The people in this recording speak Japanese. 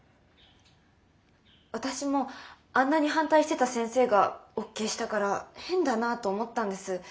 私もあんなに反対してた先生がＯＫしたから変だなあと思ったんです。